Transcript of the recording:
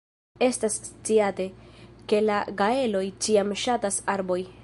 Estas sciate, ke la gaeloj ĉiam ŝatas arbojn.